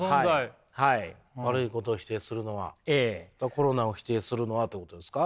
コロナを否定するのはってことですか？